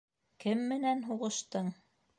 - Кем менән һуғыштың?!